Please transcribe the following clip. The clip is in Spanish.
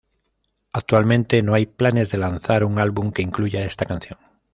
Actualmente no hay planes de lanzar un álbum que incluya esta canción.